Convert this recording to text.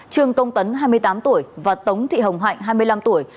trương công tấn hai mươi tám tuổi và tống thị hồng hạnh hai mươi năm tuổi